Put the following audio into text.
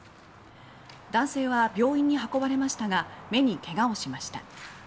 男性は病院に運ばれましたが目にけがをしました。